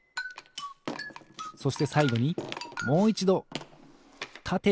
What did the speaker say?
そしてさいごにもういちどたてのうごき。